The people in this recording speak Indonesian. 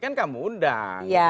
kan kamu undang